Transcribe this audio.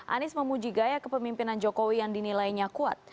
anies memuji gaya kepemimpinan jokowi yang dinilainya kuat